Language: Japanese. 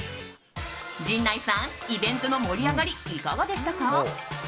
陣内さん、イベントの盛り上がりいかがでしたか？